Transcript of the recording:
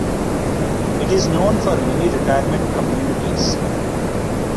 It is known for many retirement communities.